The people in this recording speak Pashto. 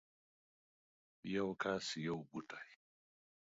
یو کس یو بوټی